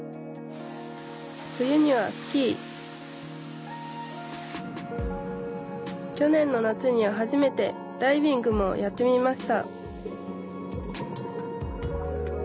冬にはスキー去年の夏には初めてダイビングもやってみました！